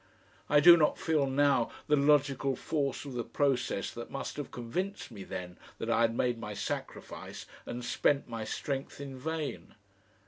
I do not feel now the logical force of the process that must have convinced me then that I had made my sacrifice and spent my strength in vain.